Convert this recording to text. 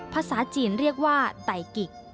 ภาษาจีนเรียกว่าไตกิก